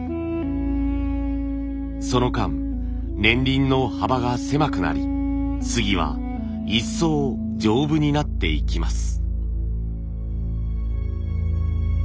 その間年輪の幅が狭くなり杉は一層丈夫になっていきます。